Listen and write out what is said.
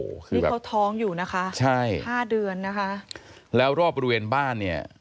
นี่เขาท้องอยู่นะคะใช่ห้าเดือนนะคะแล้วรอบบริเวณบ้านเนี่ย